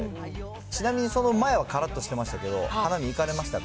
ちなみにその前はからっとしてましたけど、花見行かれましたか？